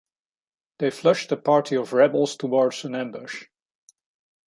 They flushed a party of rebels towards an ambush.